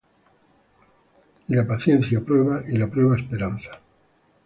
Y la paciencia, prueba; y la prueba, esperanza;